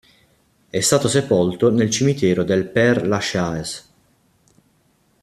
È stato sepolto nel cimitero del Père-Lachaise.